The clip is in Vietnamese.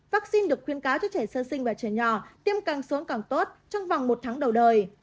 vaccine được khuyên cáo cho trẻ sơ sinh và trẻ nhỏ tiêm càng xuống càng tốt trong vòng một tháng đầu đời